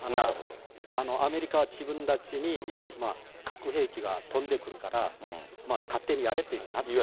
アメリカは自分たちに核兵器が飛んでくるから、勝手にやれというふうになってしまう。